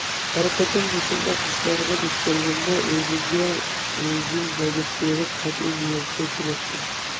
ھەر قېتىم مۇشۇنداق ئىشلارغا دۇچ كەلگەندە، ئۆزۈمگە ئۆزۈم مەدەت بېرىپ، قەتئىي نىيەتكە كېلەتتىم.